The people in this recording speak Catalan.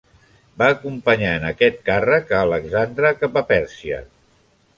Va acompanyar en aquest càrrec a Alexandre cap a Pèrsia.